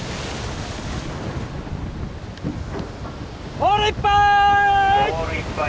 ホールいっぱい！